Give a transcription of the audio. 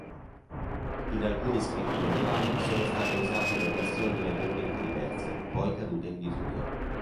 In alcuni scritti medievali sono state usate notazioni leggermente diverse, poi cadute in disuso.